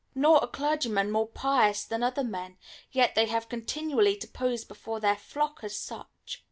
Nor are clergymen more pious than other men, yet they have continually to pose before their flock as such.